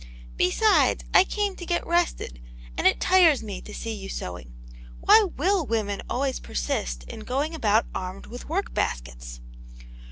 Besides, I came to get rested, and it tires me to see you sewing. Why will women always persist in going about armed with work baskets